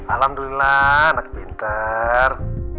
alhamdulillah anak pinter